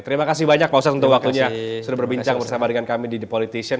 terima kasih banyak pak ustadz untuk waktunya sudah berbincang bersama dengan kami di the politician